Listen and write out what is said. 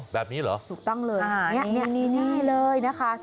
แบบนี้เหรอถูกต้องเลยนี่เลยนะคะ